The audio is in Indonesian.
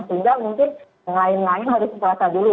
sehingga mungkin yang lain lain harus puasa dulu